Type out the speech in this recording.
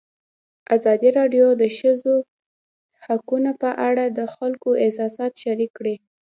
ازادي راډیو د د ښځو حقونه په اړه د خلکو احساسات شریک کړي.